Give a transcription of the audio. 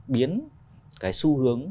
biến cái xu hướng